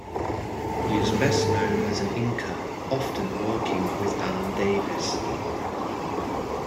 He is best known as an inker, often working with Alan Davis.